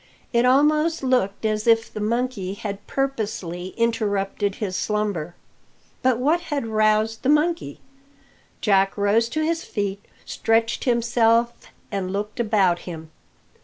It almost looked as if the monkey had purposely interrupted his slumber. But what had roused the monkey? Jack rose to his feet, stretched himself, and looked about him.